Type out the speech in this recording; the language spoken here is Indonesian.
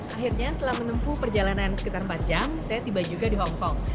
akhirnya setelah menempuh perjalanan sekitar empat jam saya tiba juga di hongkong